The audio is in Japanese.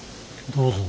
どうぞ。